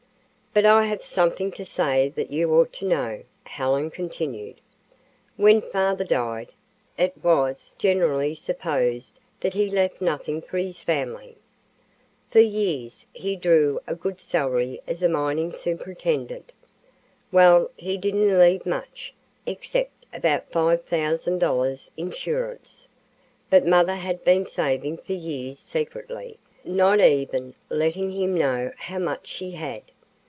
"But I have something to say that you ought to know," Helen continued. "When father died, it was generally supposed that he left nothing for his family. For years he drew a good salary as a mining superintendent. Well, he didn't leave much, except about $5,000 insurance, but mother had been saving for years secretly, not even letting him know how much she had.